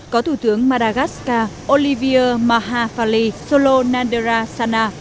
có thủ tướng madagascar olivier mahafali solonandera sana